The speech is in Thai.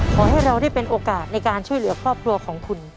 ขอให้เราได้เป็นโอกาสในการช่วยเหลือครอบครัวของคุณ